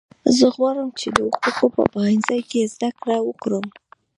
زه غواړم چې د حقوقو په پوهنځي کې زده کړه وکړم